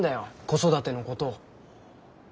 子育てのことを。